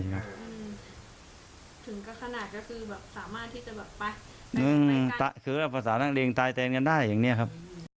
คือแบบภาษาทางเรียงตายแทนกันได้อย่างนี้ครับ